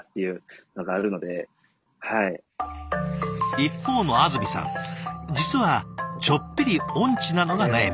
一方の安積さん実はちょっぴり音痴なのが悩み。